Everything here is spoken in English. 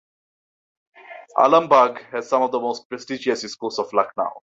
Alambagh has some of the most prestigious schools of Lucknow.